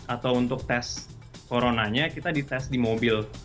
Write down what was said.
atau untuk tes coronanya kita di tes di mobil